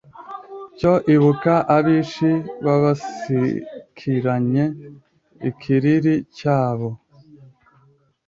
Cyo ibuka abishi babasakiranye ikiriri cyabo